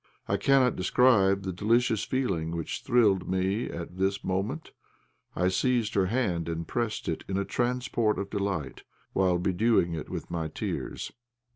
I cannot describe the delicious feeling which thrilled through me at this moment, I seized her hand and pressed it in a transport of delight, while bedewing it with my tears.